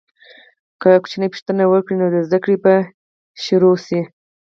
که ماشوم پوښتنه وکړي، نو زده کړه به پیل شي.